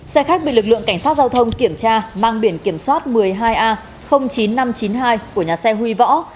xe khách bị lực lượng cảnh sát giao thông kiểm tra mang biển kiểm soát một mươi hai a chín nghìn năm trăm chín mươi hai của nhà xe huy võ